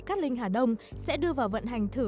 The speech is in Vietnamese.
cát linh hà đông sẽ đưa vào vận hành thử